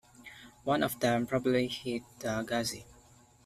One of them probably hit the "Ghazi".